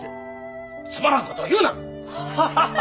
つまらんことを言うな！